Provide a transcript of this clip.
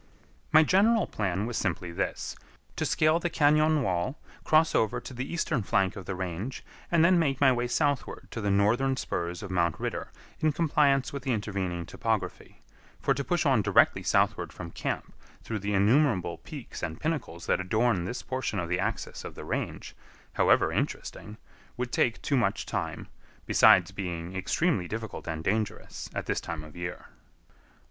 My general plan was simply this: to scale the cañon, wall, cross over to the eastern flank of the range, and then make my way southward to the northern spurs of Mount Ritter in compliance with the intervening topography; for to push on directly southward from camp through the innumerable peaks and pinnacles that adorn this portion of the axis of the range, however interesting, would take too much time, besides being extremely difficult and dangerous at this time of year.